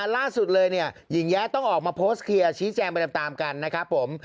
ล่าสุดเลยเนี่ยหญิงแยะต้องออกมาโพสต์เคลียร์ชี้แจงไปตามกันนะครับผม